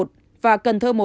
cần thơ một ca nhiễm